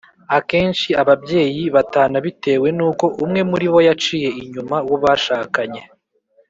Akenshi ababyeyi batana bitewe n uko umwe muri bo yaciye inyuma uwo bashakanye